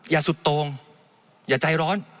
อย่าสุดโต่งอย่าใจร้อน